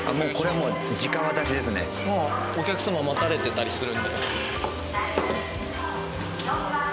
もうお客様待たれてたりするので。